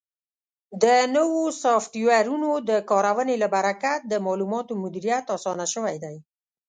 د نوو سافټویرونو د کارونې له برکت د معلوماتو مدیریت اسان شوی دی.